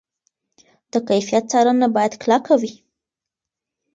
د کیفیت څارنه باید کلکه وي.